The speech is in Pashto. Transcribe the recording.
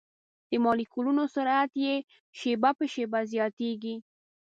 د مالیکولونو سرعت یې شېبه په شېبه زیاتیږي.